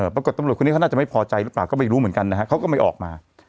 ปรากฏตำรวจคนนี้เขาน่าจะไม่พอใจหรือเปล่าก็ไม่รู้เหมือนกันนะฮะเขาก็ไม่ออกมา